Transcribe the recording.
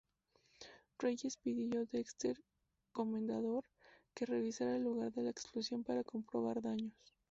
Reyes pidió Dexter Comendador que revisara el lugar de la explosión para comprobar daños.